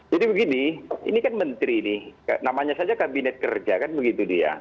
jadi begini ini kan menteri ini namanya saja kabinet kerja kan begitu dia